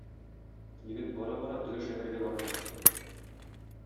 Егет бара-бара теге шәһәргә барып җитте.